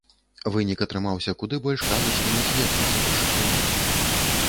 Вынік атрымаўся куды больш казачным і светлым за першакрыніцу.